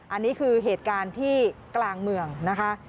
อันนี้คือเหตุการณ์ที่กลางเมืองนะคะ